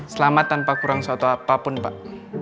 selamat tanpa kurang suatu apapun pak